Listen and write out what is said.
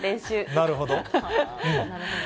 なるほど。